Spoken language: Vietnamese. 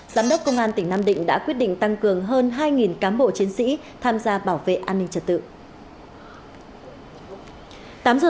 giám đốc công an tỉnh nam định đã quyết định tăng cường hơn hai cán bộ chiến sĩ tham gia bảo vệ an ninh trật tự